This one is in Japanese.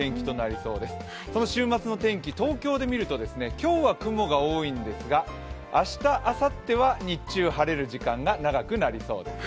その週末の天気、東京で見ると今日は雲が多いんですが、明日、あさっては日中晴れる時間が長くなりそうですよ。